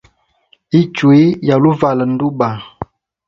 Ichwi yali uvala nduba.